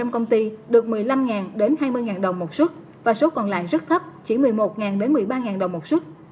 một mươi công ty được một mươi năm hai mươi đồng một xuất và số còn lại rất thấp chỉ một mươi một một mươi ba đồng một xuất